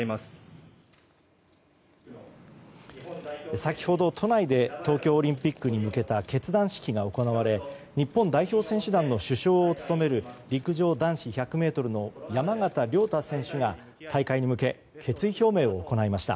先ほど都内で東京オリンピックに向けた結団式が行われ日本代表選手団の主将を務める陸上男子１００ｍの山縣亮太選手が大会に向け決意表明を行いました。